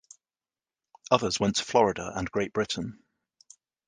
Others went to Florida and Great Britain.